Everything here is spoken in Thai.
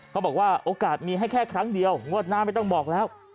เขาบอกว่าโอกาสมีให้แค่ครั้งเดียวงวดหน้าไม่ต้องบอกแล้ว